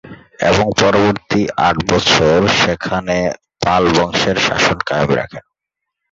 এবং পরবর্তী আট বছর সেখানে পাল বংশের শাসন কায়েম রাখেন।